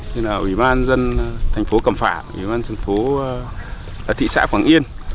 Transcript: như là ủy ban dân thành phố cầm phả ủy ban dân thị xã quảng yên